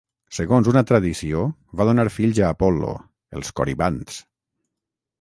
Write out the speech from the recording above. Segons una tradició, va donar fills a Apol·lo, els Coribants.